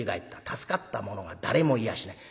助かった者は誰もいやしない」。